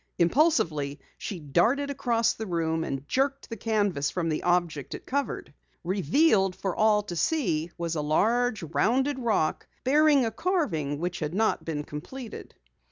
Impulsively, she darted across the room and jerked the canvas from the object it covered. Revealed for all to see was a large rounded rock, bearing a carving which had not been completed.